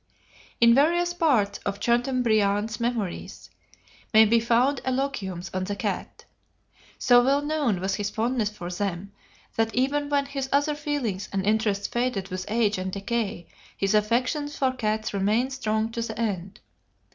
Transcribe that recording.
In various parts of Chateaubriand's "Memoires" may be found eulogiums on the cat. So well known was his fondness for them, that even when his other feelings and interests faded with age and decay, his affections for cats remained strong to the end.